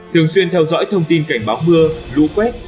thường xuyên theo dõi thông tin cảnh báo mưa lũ quét